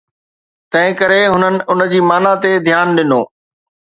تنهن ڪري هنن ان جي معنيٰ تي ڌيان ڏنو